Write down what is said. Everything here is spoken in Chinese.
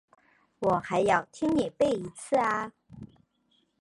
我还要听你背一次啊？